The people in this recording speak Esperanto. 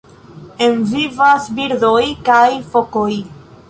En vivas birdoj kaj fokoj.